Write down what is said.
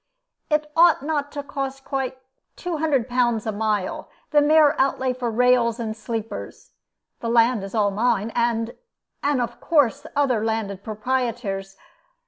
It ought not to cost quite 200 pounds a mile the mere outlay for rails and sleepers. The land is all mine, and and of course other landed proprietors'.